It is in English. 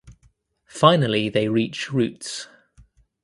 Finally they reach roots.